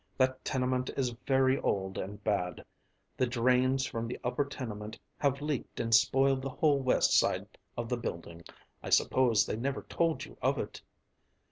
That tenement is very old and bad, the drains from the upper tenement have leaked and spoiled the whole west side of the building. I suppose they never told you of it?"